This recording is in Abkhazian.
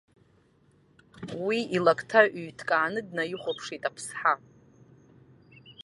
Уи илакҭа ҩҭкааны днаихәаԥшит аԥсҳа.